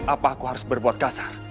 apa aku harus berbuat kasar